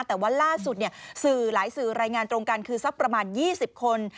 แต่ว่าล่าสุดสื่อหลายสื่อรายงานตรงกันคือสักประมาณ๒๐คน